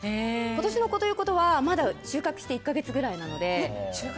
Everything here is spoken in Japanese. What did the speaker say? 今年の子ということはまだ収穫して１か月くらいなので。